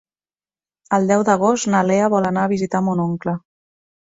El deu d'agost na Lea vol anar a visitar mon oncle.